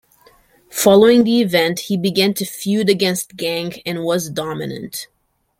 Following the event he began to feud against Gang and was dominant.